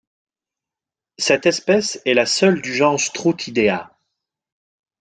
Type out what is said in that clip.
Cette espèce est la seule du genre Struthidea.